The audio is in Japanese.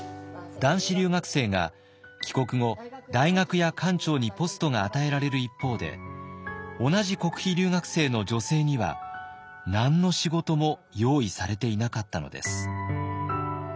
男子留学生が帰国後大学や官庁にポストが与えられる一方で同じ国費留学生の女性には何の仕事も用意されていなかったのです。